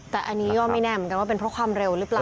แต่อันนี้ก็ไม่แน่เหมือนกันว่าเป็นเพราะความเร็วหรือเปล่า